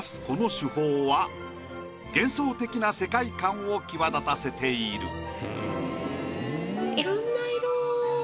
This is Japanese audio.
この手法は幻想的な世界観を際立たせている。